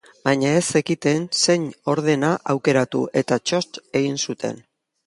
Baina ez zekiten zein ordena aukeratu, eta txotx egin zuten.